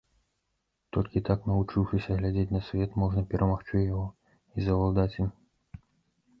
Толькі так навучыўшыся глядзець на свет, можна перамагчы яго і заўладаць ім.